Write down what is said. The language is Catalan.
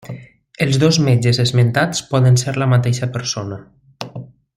Els dos metges esmentats poden ser la mateixa persona.